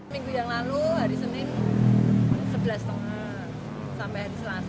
minggu yang lalu hari senin rp sebelas lima ratus sampai hari selasa